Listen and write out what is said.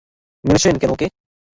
মেরেছেন কেন ওকে?